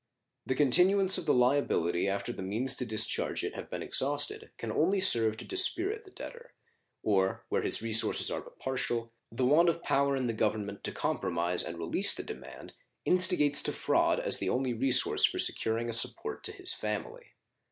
The continuance of the liability after the means to discharge it have been exhausted can only serve to dispirit the debtor; or, where his resources are but partial, the want of power in the Government to compromise and release the demand instigates to fraud as the only resource for securing a support to his family.